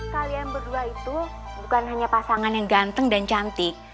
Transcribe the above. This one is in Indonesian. kalian berdua itu bukan hanya pasangan yang ganteng dan cantik